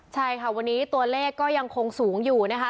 ใช่ค่ะวันนี้ตัวเลขก็ยังคงสูงอยู่นะคะ